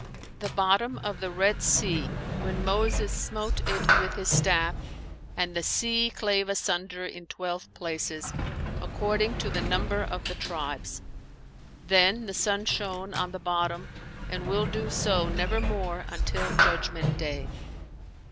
"The bottom of the Red Sea, when Moses smote it with his staff, and the sea clave asunder in twelve places, according to the number of the tribes;[FN#436] then the sun shone on the bottom and will do so nevermore until Judgment Day."